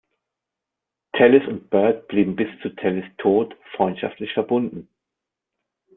Tallis und Byrd blieben bis zu Tallis’ Tod freundschaftlich verbunden.